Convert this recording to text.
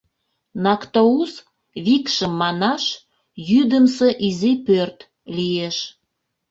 Нактоуз — викшым манаш: «йӱдымсӧ изи пӧрт» лиеш.